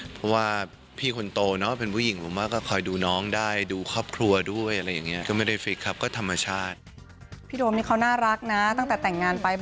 เพราะว่าพี่คนโตเนอะเป็นผู้หญิงผมว่าก็คอยดูน้องได้ดูครอบครัวด้วยอะไรอย่างนี้